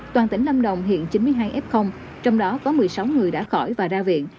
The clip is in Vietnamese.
toàn tỉnh lâm đồng hiện chín mươi hai f trong đó có một mươi sáu người đã khỏi và ra viện